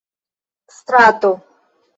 strato